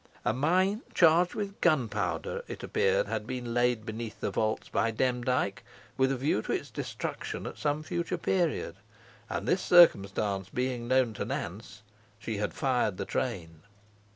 A mine charged with gunpowder, it appeared, had been laid beneath its vaults by Demdike, with a view to its destruction at some future period, and this circumstance being known to Nance, she had fired the train.